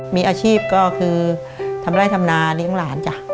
มีอาชีพก็คือทำไร่ทำนาเลี้ยงหลานจ้ะ